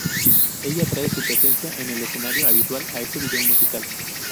Ella trae su presencia en el escenario habitual a este video musical.